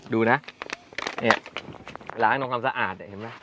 ดูนะร้านก้องค้ำสะอาด